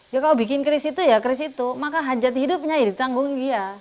kalau bikin keris itu ya keris itu maka hajat hidupnya ditanggung dia sampai selesai